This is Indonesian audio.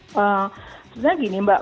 sebenarnya gini mbak